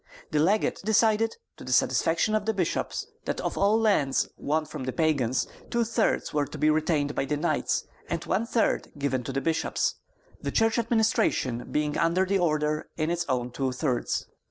The legate decided, to the satisfaction of the bishops, that of all lands won from the Pagans two thirds were to be retained by the knights and one third given to the bishops, the church administration being under the order in its own two thirds.